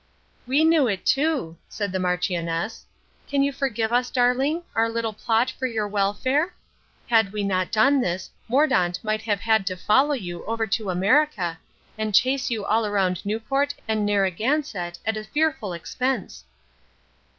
"We knew it too," said the Marchioness. "Can you forgive us, darling, our little plot for your welfare? Had we not done this Mordaunt might have had to follow you over to America and chase you all around Newport and Narragansett at a fearful expense."